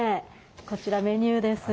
こちらメニューです。